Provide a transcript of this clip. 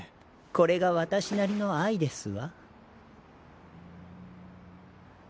「これがわたしなりの愛ですわ」